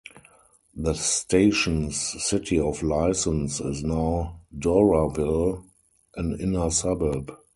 The station's city of license is now Doraville, an inner suburb.